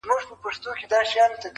هغې ته تېر ياد راځي ناڅاپه,